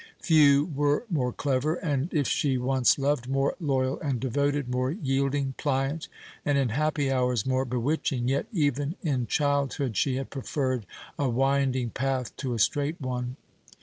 Few were more clever, and if she once loved more loyal and devoted, more yielding, pliant, and in happy hours more bewitching, yet even in childhood she had preferred a winding path to a straight one.